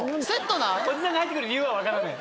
おじさんが入ってくる理由はわからない。